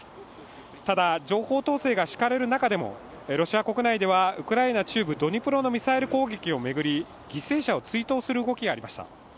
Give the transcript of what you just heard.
ただ、情報統制が敷かれる中でもロシア国内ではウクライナ中部ドニプロのミサイル攻撃を巡り犠牲者を追悼する動きがありました。